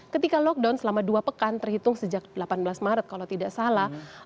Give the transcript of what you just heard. ketika lockdown selama dua pekan terhitung sejak delapan belas maret kalau tidak salah